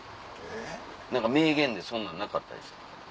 何か名言でそんなんなかったですか？